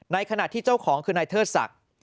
ในขณะที่เจ้าของคือนายเทิดศักดิ์